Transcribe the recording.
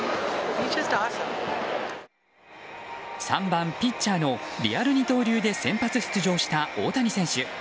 ３番ピッチャーのリアル二刀流で先発出場した大谷選手。